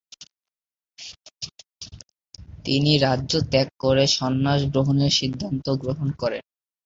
তিনি রাজ্য ত্যাগ করে সন্ন্যাস গ্রহণের সিদ্ধান্ত গ্রহণ করেন।